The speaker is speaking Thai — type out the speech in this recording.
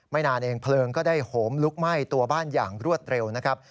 นานเองเพลิงก็ได้โหมลุกไหม้ตัวบ้านอย่างรวดเร็วนะครับ